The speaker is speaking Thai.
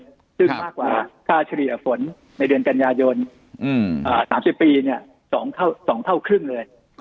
ซึ่งมากกว่าค่าเฉลี่ยฝนในเดือนกันยายน๓๐ปี๒เท่าครึ่งเลย